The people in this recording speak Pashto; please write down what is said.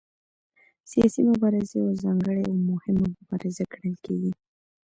سیاسي مبارزه یوه ځانګړې او مهمه مبارزه ګڼل کېږي